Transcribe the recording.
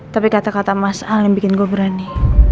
tapi kata kata mas al yang bikin gue berani